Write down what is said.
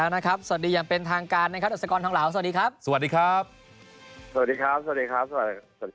สวัสดีครับสวัสดีครับสวัสดีครับผม